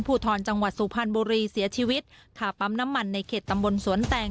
ภูทรจังหวัดสุพรรณบุรีเสียชีวิตขาปั๊มน้ำมันในเขตตำบลสวนแตง